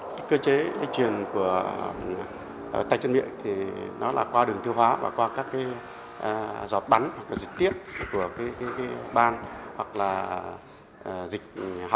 cơ chế lịch truyền của tay chân miệng là qua đường tiêu hóa và qua các giọt bắn dịch tiết của ban hoặc là dịch